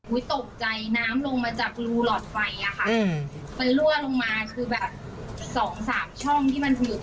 โอ๊ยตกใจน้ำลงมาจากรูหลอดไฟค่ะ